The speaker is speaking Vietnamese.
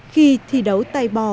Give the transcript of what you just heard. khi thi đấu tay bò